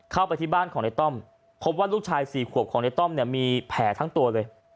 เข้าไปที่บ้านของในต้อมพบว่าลูกชาย๔ขวบของในต้อมเนี่ยมีแผลทั้งตัวเลย